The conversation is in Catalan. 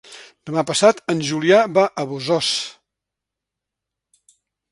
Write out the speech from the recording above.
Demà passat en Julià va a Bossòst.